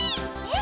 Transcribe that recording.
え？